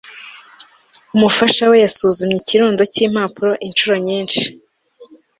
umufasha we yasuzumye ikirundo cyimpapuro inshuro nyinshi